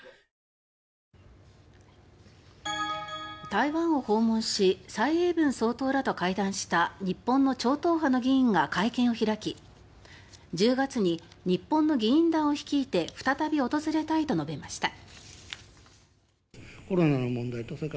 台湾を訪問し蔡英文総統らと会談した日本の超党派の議員が会見を開き１０月に日本の議員団を率いて再び訪れたいと述べました。